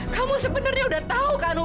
kamu sebenarnya udah tahu kan